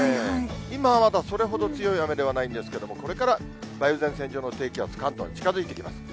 今はまだそれほど強い雨ではないんですけれども、これから梅雨前線上の低気圧、関東に近づいてきます。